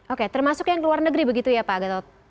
oke termasuk yang ke luar negeri begitu ya pak gatot